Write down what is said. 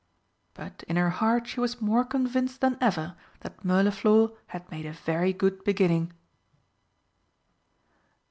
But in her heart she was more convinced than ever that Mirliflor had made a very good beginning.